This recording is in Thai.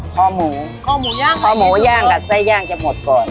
ขอหมูขอหมูย่างกับไส้ย่างจะหมดก่อน